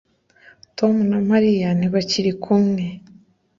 Tom na Mariya ntibakiri kumwe